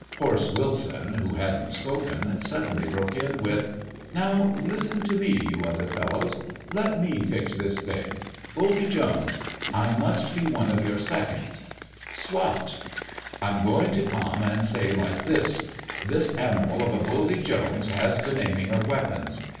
"Horse" Wilson, who hadn't spoken, suddenly broke in with: "Now, listen to me, you other fellows. Let me fix this thing. Buldy Jones, I must be one of your seconds." "Soit!" "I'm going to Camme, and say like this: 'This Animal of a Buldy Jones' has the naming of weapons.